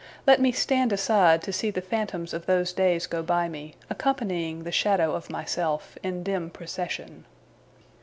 Let me stand aside, to see the phantoms of those days go by me, accompanying the shadow of myself, in dim procession.